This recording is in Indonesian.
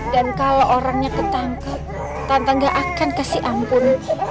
dan kalau orangnya ketangkep tante gak akan kasih ampun